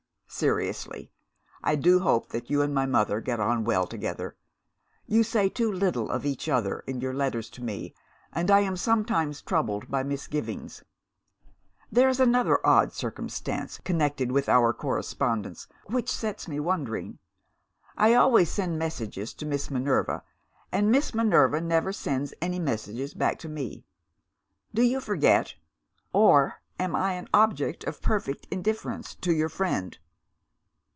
"Seriously, I do hope that you and my mother get on well together. You say too little of each other in your letters to me, and I am sometimes troubled by misgivings. There is another odd circumstance, connected with our correspondence, which sets me wondering. I always send messages to Miss Minerva; and Miss Minerva never sends any messages back to me. Do you forget? or am I an object of perfect indifference to your friend?